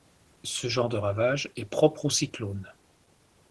Ce genre de ravage est propre au cyclone.